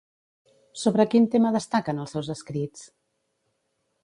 Sobre quin tema destaquen els seus escrits?